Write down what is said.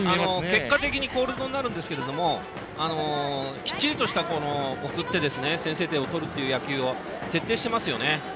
結果的にコールドになるんですがきっちりと送って先制点を取る野球を徹底していますよね。